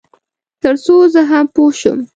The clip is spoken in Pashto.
تر څو زه هم پوه شم.